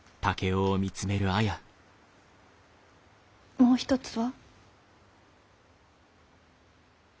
もう一つは？